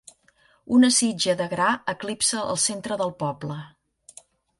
Una sitja de gra eclipsa el centre del poble.